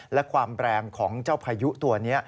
และความแรงของเจ้าพายุตัวนี้